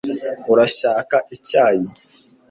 urashaka icyayi